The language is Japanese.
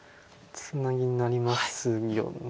ツナギになりますよね。